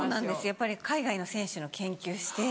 やっぱり海外の選手の研究して。